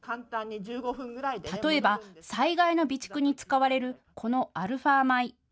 例えば災害の備蓄に使われるこのアルファ米。